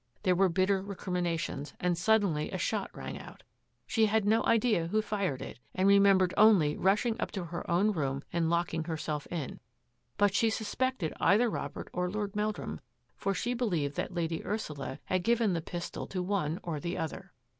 There were bitter recrim inations, and suddenly a shot rang out. She had no idea who fired it and remembered only rushing up to her own room and locking herself in. But she suspected either Robert or Lord Meldrum, for she believed that Lady Ursula had given the pistol to one or the other.